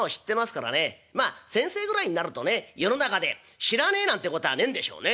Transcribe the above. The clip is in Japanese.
まあ先生ぐらいになるとね世の中で知らねえなんてことはねえんでしょうね」。